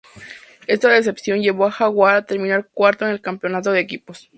Esta decepción llevó a Jaguar a terminar cuarto en el Campeonato de Equipos.